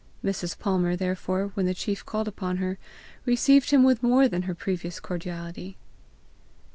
Mrs. Palmer, therefore, when the chief called upon her, received him with more than her previous cordiality.